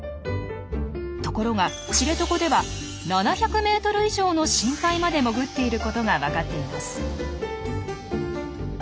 ところが知床では７００ｍ以上の深海まで潜っていることがわかっています。